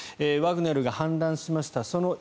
ワグネルが反乱しました